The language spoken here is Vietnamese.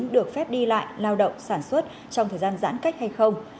được phép đi lại lao động sản xuất trong thời gian giãn cách hay không